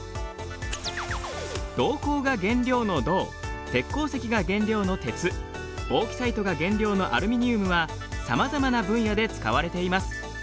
銅鉱が原料の銅鉄鉱石が原料の鉄ボーキサイトが原料のアルミニウムはさまざまな分野で使われています。